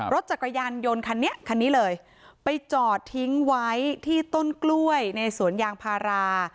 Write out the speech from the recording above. รถจักรยานยนต์คันนี้คันนี้เลยไปจอดทิ้งไว้ที่ต้นกล้วยในสวนยางพารา